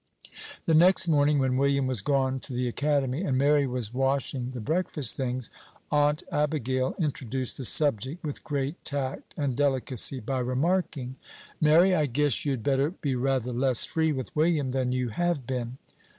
The next morning, when William was gone to the academy, and Mary was washing the breakfast things, Aunt Abigail introduced the subject with great tact and delicacy by remarking. "Mary, I guess you had better be rather less free with William than you have been."